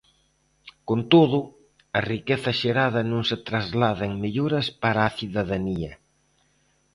Con todo, a riqueza xerada non se traslada en melloras para a cidadanía.